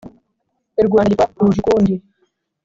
i rwanda yitwa rujukundi